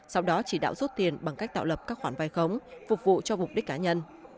sau đó chỉ đạo rút tiền bằng cách tạo lập các khoản vai khống phục vụ cho mục đích cá nhân